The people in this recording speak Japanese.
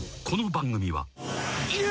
この番組は］